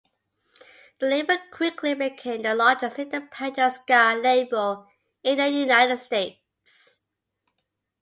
The label quickly became the largest independent ska label in the United States.